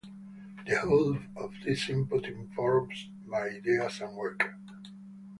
The whole of this input informs my ideas and work.